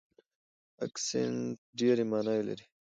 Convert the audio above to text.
اکسنټ ډېرې ماناوې لري.